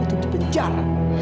itu di penjar